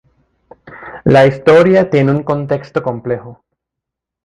La historia tiene un contexto complejo.